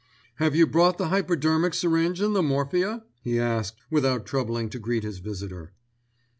"Have you brought the hypodermic syringe and the morphia?" he asked without troubling to greet his visitor.